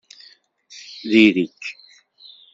Diri-k!